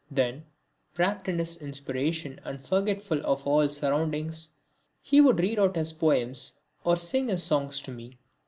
Then, wrapt in his inspiration and forgetful of all surroundings, he would read out his poems or sing his songs to me.